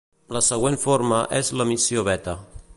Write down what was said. La següent forma és l'emissió beta.